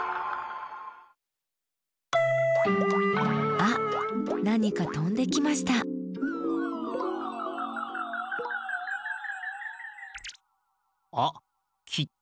あっなにかとんできましたあっきって！